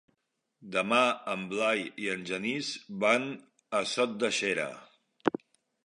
Demà en Blai i en Genís van a Sot de Xera.